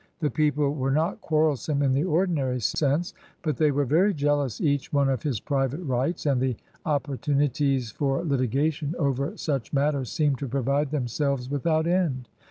The people were not quarrelsome in the ordinary sense, but they were very jealous each one of his private rights, and the opportuni ties for litigation over such matters seemed to » provide themselves without end.